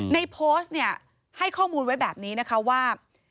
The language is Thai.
ในโพสต์เนี่ยให้ข้อมูลไว้แบบนี้นะคะว่า